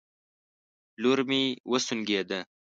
لور مې وسونګېده